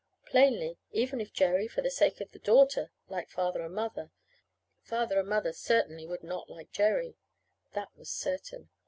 Plainly, even if Jerry, for the sake of the daughter, liked Father and Mother, Father and Mother certainly would not like Jerry. That was certain.